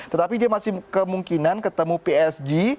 tetapi dia masih kemungkinan ketemu psg